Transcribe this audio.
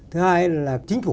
thứ hai là chính phủ